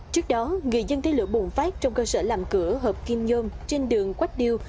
trước đó người dân thấy lửa bùng phát trong cơ sở làm cửa hợp kim nhôm trên đường quách điêu